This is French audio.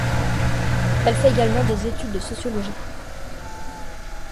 Elle fait également des études de sociologie.